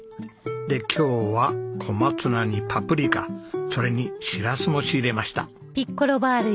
で今日は小松菜にパプリカそれにシラスも仕入れました。